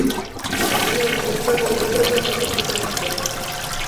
Я думаю, ні да чаго добрага гэта не прывядзе.